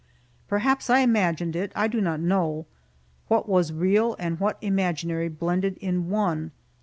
Perhaps I imagined it. I do not know. What was real and what imaginary blended in one.